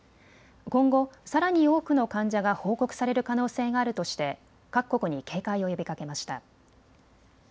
今後さらに多くの患者が報告される可能性があるとして各国に警戒を呼びかけました。